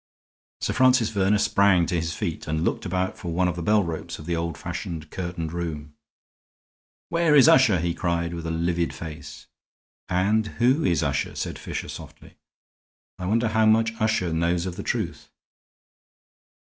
Sir Francis Verner sprang to his feet and looked about for one of the bell ropes of the old fashioned, curtained room. "Where is Usher?" he cried, with a livid face. "And who is Usher?" said Fisher, softly. "I wonder how much Usher knows of the truth."